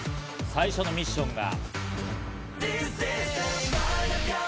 最初のミッションが。